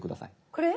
これ？